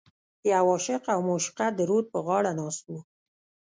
یو عاشق او معشوقه د رود په غاړه ناست و.